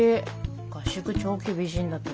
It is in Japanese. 合宿超厳しいんだけど。